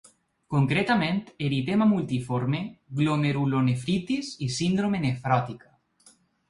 Concretament, eritema multiforme, glomerulonefritis i síndrome nefròtica.